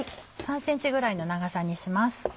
３ｃｍぐらいの長さにします。